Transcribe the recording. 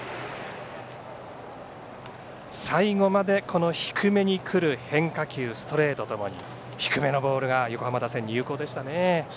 最後までこの低めにくる変化球、ストレートともに低めのボールが横浜打線に有効でしたね。